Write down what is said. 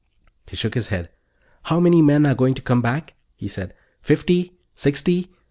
He shook his head. "How many men are going to come back?" he said. "Fifty? Sixty?